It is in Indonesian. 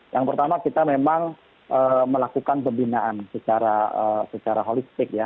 yang pertama kita memang melakukan pembinaan secara holistik ya